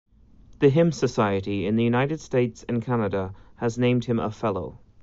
The Hymn Society in the United States and Canada has named him a "fellow".